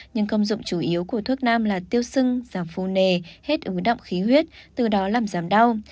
nhưng công dụng chủ yếu của thuốc nam là tiêu sưng giảm phu nề hết ứ động khí huyết từ đó làm giảm đau